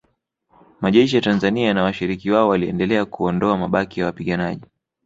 Majeshi ya Tanzania na washirika wao waliendelea kuondoa mabaki ya wapiganaji